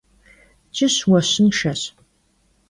Ç'ış vueşınşşeş.